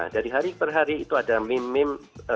dari hari per hari itu ada meme meme